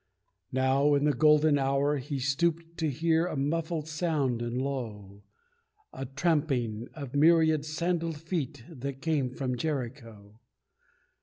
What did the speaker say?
Now, in the golden hour, he stooped to hear A muffled sound and low, The tramping of a myriad sandalled feet That came from Jericho.